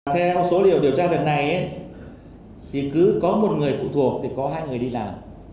theo số điều tra đợt này thì cứ có một người phụ thuộc thì có hai người đi làm